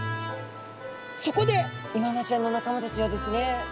そこでイワナちゃんの仲間たちはですね